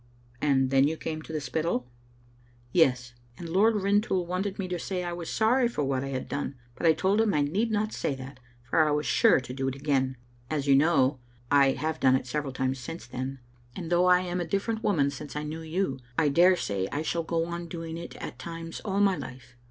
" And then you came to the Spittal?" Digitized by VjOOQ IC 260 «bc little itini$Ut. "Ye6; and Lord Rintoul wanted me to say I was sorry for what I had done, but I told him I need not say that, for I was sure to do it again. As you know, I have done it several times since then ; and though I am a different woman since I knew you, I dare say I shall go on doing it at times all my life.